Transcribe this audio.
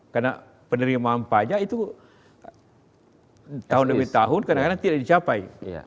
karena penerimaan pajak itu tahun demi tahun kadang kadang tidak dicapai